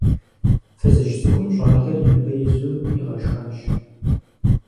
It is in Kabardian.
Фызыжь цӀыкӀум щӀалэр и ныбэ изу игъашхащ.